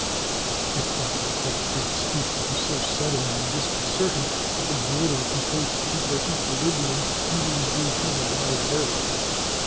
If Dr. Crutch did speak it was so sudden and dis concerting that the boarders who chose to keep their equilibrium usually gave him a wide berth.